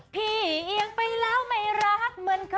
เอียงไปแล้วไม่รักเหมือนเธอ